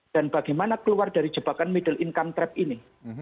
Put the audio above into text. dan bagaimana keluar dari jebakan middle income trap ini